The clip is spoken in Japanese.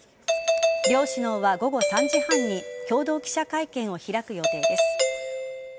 両首脳は午後３時半に共同記者会見を開く予定です。